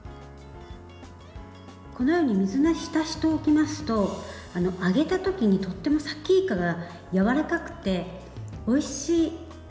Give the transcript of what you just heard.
このように水に浸しておきますと揚げたときに、とってもさきいかがやわらかくておいしい食感になります。